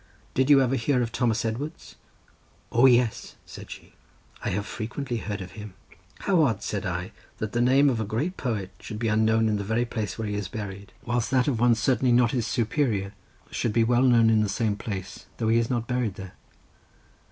"Did you ever hear of Thomas Edwards?" "O, yes," said she; "I have frequently heard of him." "How odd," said I, "that the name of a great poet should be unknown in the very place where he is buried, whilst that of one certainly not his superior, should be well known in that same place, though he is not buried there."